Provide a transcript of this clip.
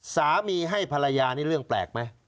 สามีให้ภรรยานี่เรื่องแปลกไหม